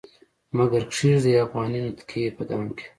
مګر کښيږدي افغاني نتکۍ په دام کې